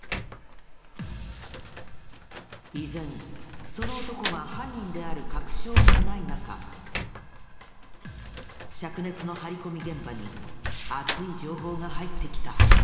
依然その男が犯人である確証がない中灼熱の張り込み現場に熱い情報が入ってきた。